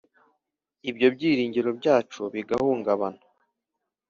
Ibyo byiringiro byacu bigahungabana